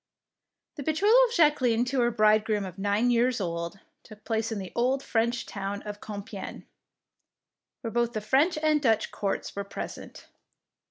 The betrothal of Jacqueline to her bridegroom of nine years old took place in the old French town of Com piegne, where both the French and Dutch courts were present.